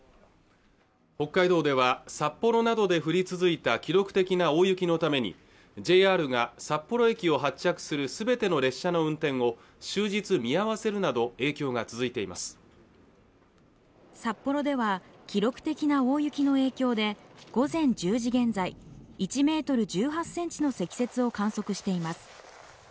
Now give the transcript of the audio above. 北海道では札幌などで降り続いた記録的な大雪のためにＪＲが札幌駅を発着するすべての列車の運転を終日見合わせるなど影響が続いています札幌では記録的な大雪の影響で午前１０時現在１メートル１８センチの積雪を観測しています